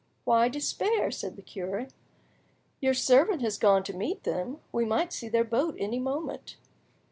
"Why despair?" said the cure. "Your servant has gone to meet them; we might see their boat any moment."